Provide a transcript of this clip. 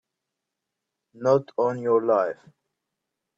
Not on your life!